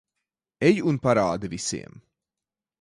Ej un parādi visiem.